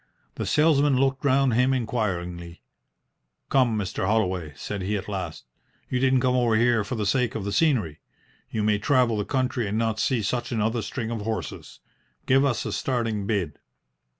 The salesman looked round him inquiringly. "Come, Mr. Holloway," said he, at last. "You didn't come over here for the sake of the scenery. You may travel the country and not see such another string of horses. Give us a starting bid."